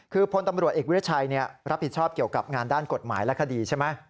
คือพลตำรวจเอกวิทยาชัยรับผิดชอบเกี่ยวกับงานด้านกฎหมายและคดีใช่ไหม